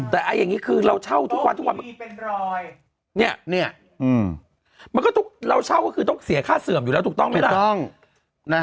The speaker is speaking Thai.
แต่อย่างนี้คือเราเช่าทุกค่ะทุกค่ะมันก็ต้องเสียค่าเสื่อมอยู่แล้วถูกต้องไหมล่ะ